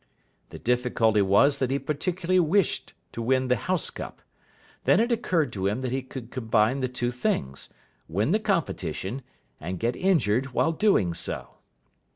The difficulty was that he particularly wished to win the House Cup. Then it occurred to him that he could combine the two things win the competition and get injured while doing so.